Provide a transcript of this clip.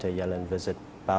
yang melawat bali